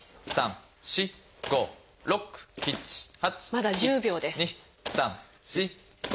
まだ１０秒です。